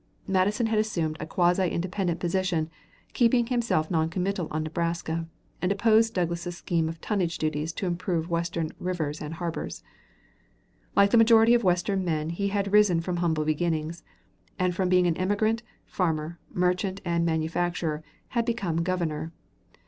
Matteson had assumed a quasi independent position; kept himself non commital on Nebraska, and opposed Douglas's scheme of tonnage duties to improve Western rivers and harbors. Like the majority of Western men he had risen from humble beginnings, and from being an emigrant, farmer, merchant, and manufacturer, had become Governor.